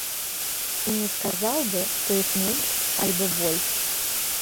І не сказаў бы, што іх менш, альбо больш.